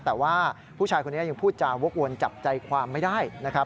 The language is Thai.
แต่ว่าผู้ชายคนนี้ยังพูดจาวกวนจับใจความไม่ได้นะครับ